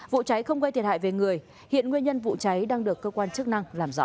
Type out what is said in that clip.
vụ cháy không gây thiệt hại về người hiện nguyên nhân vụ cháy đang được cơ quan chức năng làm rõ